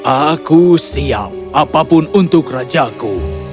aku siap apapun untuk rajaku